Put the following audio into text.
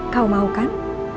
kau mau kan